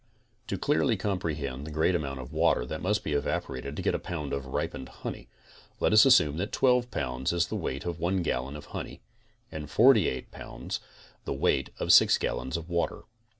To clearly comprehend the great amount of water that must be evaporated to get a pound of ripened honey, let us assume that 12 pounds is the weight of one gallon of honey, and 48 pounds the weight of 6 gallons of water.